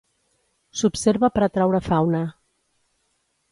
S'observa per atraure fauna.